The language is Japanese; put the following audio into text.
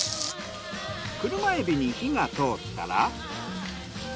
車海老に火が通ったら。